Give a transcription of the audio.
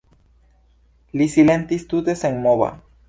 Li silentis tute senmova.